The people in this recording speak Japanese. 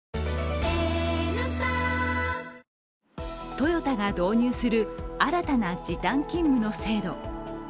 トヨタが導入する新たな時短勤務の制度。